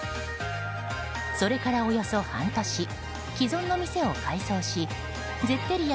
それから、およそ半年既存の店を改装しゼッテリア